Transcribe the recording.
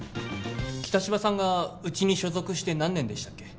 北芝さんがうちに所属して何年でしたっけ？